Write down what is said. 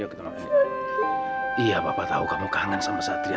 iya bapak tahu kamu kangen sama satria